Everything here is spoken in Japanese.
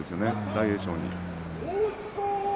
大栄翔に。